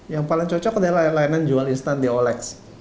yang paling cocok adalah layanan jual instan di olex